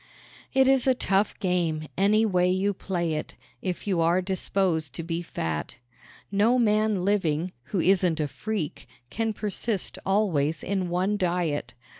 It is a tough game, anyway you play it, if you are disposed to be fat. No man living, who isn't a freak, can persist always in one diet.